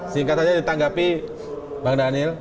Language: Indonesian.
singkat aja ditanggapi bang dhanil